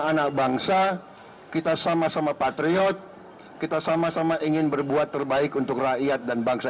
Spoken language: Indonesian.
anak bangsa kita sama sama patriot kita sama sama ingin berbuat terbaik untuk rakyat dan bangsa